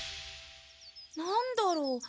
何だろう